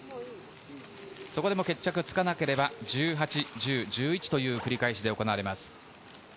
そこでも決着がつかなければ、１８、１０、１１という繰り返しで行われます。